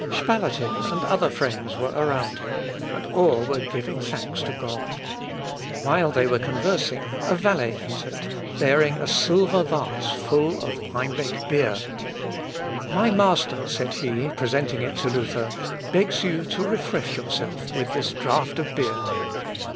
Spalatin and other friends were around him, and all were giving thanks to God. While they were conversing, a valet entered, bearing a silver vase full of Eimbeck beer. "My master," said he, presenting it to Luther, "begs you to refresh yourself with this draught of beer."